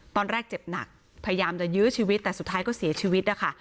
ตอนแรกเจ็บหนักพยายามจะยื้อชีวิตแต่สุดท้ายก็เสียชีวิตนะคะ